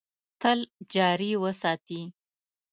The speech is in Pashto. تل جاري وساتي .